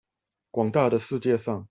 廣大的世界上